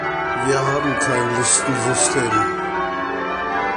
Wir haben kein Listensystem.